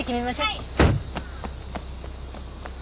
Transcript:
はい。